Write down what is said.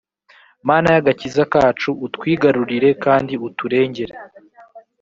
mana y’ agakiza kacu utwigarurire kandi uturengere